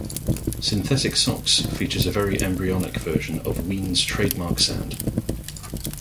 "Synthetic Socks" features a very embryonic version of Ween's trademark sound.